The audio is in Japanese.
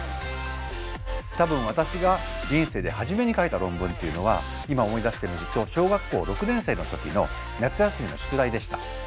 多分私が人生で初めに書いた論文っていうのは今思い出してみると小学校６年生の時の夏休みの宿題でした。